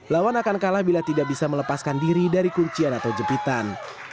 lawan akan kalah bila tidak bisa melepaskan diri dari kuncian atau jepitan